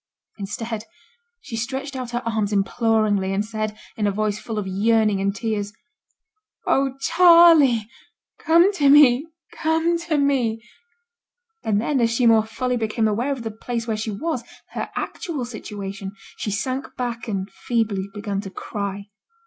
Instead she stretched out her arms imploringly, and said, in a voice full of yearning and tears, 'Oh! Charley! come to me come to me!' and then as she more fully became aware of the place where she was, her actual situation, she sank back and feebly began to cry.